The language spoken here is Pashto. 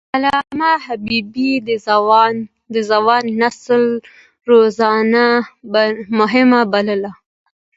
علامه حبيبي د ځوان نسل روزنه مهمه بلله.